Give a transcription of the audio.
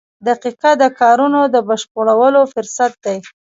• دقیقه د کارونو د بشپړولو فرصت دی.